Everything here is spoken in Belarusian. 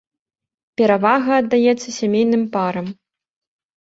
Перавага аддаецца сямейным парам.